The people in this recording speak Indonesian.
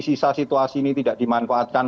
sisa situasi ini tidak dimanfaatkan